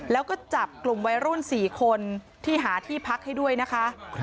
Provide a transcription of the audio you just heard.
แล้วก็จับกลุ่มวัยรุ่น๔คนที่หาที่พักให้ด้วยนะคะ